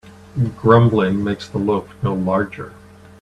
Grumbling makes the loaf no larger.